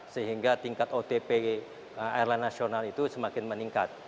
sehingga tingkat otp airline nasional itu semakin meningkat